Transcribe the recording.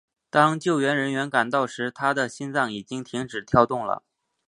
当救援人员赶到时他的心脏已经停止跳动了。